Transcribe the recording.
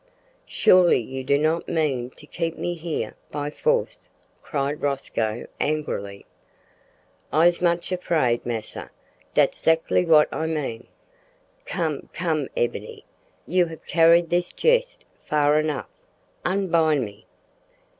"Surely you do not mean to keep me here by force!" cried Rosco angrily. "I's much afraid, massa, dat's zactly what I mean!" "Come, come, Ebony, you have carried this jest far enough. Unbind me!"